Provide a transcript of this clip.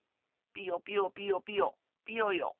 ピヨピヨピヨピヨピヨヨ。